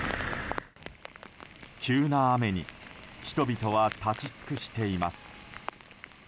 急な雨に人々は立ち尽くしています。